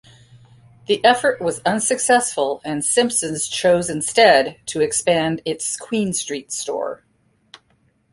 The effort was unsuccessful, and Simpson's chose instead to expand its Queen Street store.